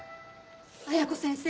綾子先生。